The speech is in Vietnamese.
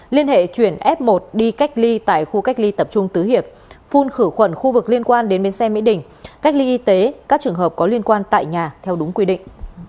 liên hệ chuyển f một đi cách ly tại khu cách ly tập trung tứ hiệp phun khử khuẩn khu vực liên quan đến bến xe mỹ đình cách ly y tế các trường hợp có liên quan tại nhà theo đúng quy định